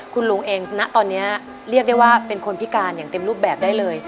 คุณลุงเองณตอนนี้เรียกได้ว่าเป็นคนพิการอย่างเต็มรูปแบบได้เลย